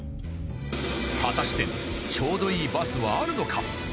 果たしてちょうどいいバスはあるのか？